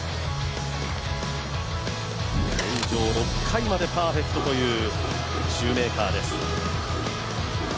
現状、６回までパーフェクトというシューメーカーです。